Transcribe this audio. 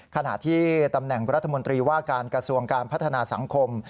ขณะที่ตำแหน่งรัฐมนตรีว่าการกระทรวงการพัฒนาสังคม